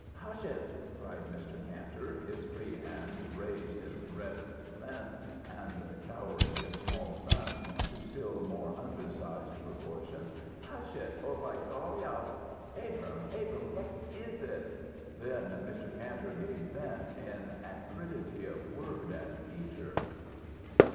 "Hush it!" cried Mr. Kantor, his free hand raised in threat of descent and cowering his small son to still more undersized proportions. "Hush it, or, by golly, I'll " "Abrahm Abrahm what is it?" Then Mr. Kantor gave vent in acridity of word and feature.